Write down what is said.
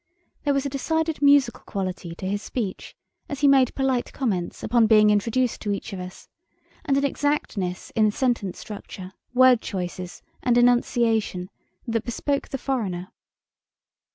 There was a decided musical quality to his speech, as he made polite comments upon being introduced to each of us, and an exactness in sentence structure, word choices and enunciation that bespoke the foreigner.